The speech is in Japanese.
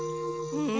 うん。